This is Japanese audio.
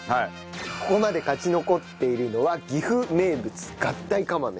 ここまで勝ち残っているのは岐阜名物合体釜飯です。